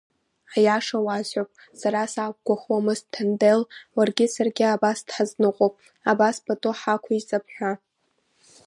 Аиаша уасҳәап сара сақәгәыӷуамызт, Ҭандел уаргьы-саргьы абас дҳазныҟәап, абас пату ҳақәиҵап ҳәа.